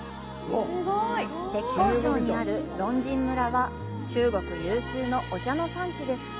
浙江省にある龍井村は、中国有数のお茶の産地です。